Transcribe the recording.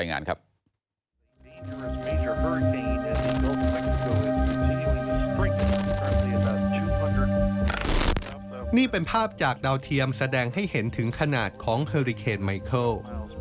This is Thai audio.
นี่เป็นภาพจากดาวเทียมแสดงให้เห็นถึงขนาดของเฮอริเคนไมเคิล